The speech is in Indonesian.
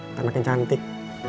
ntar makin cantik